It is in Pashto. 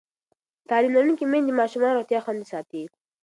تعلیم لرونکې میندې د ماشومانو روغتیا خوندي ساتي.